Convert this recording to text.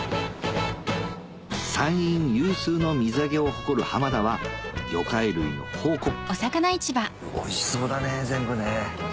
山陰有数の水揚げを誇る浜田は魚介類の宝庫おいしそうだね全部ね。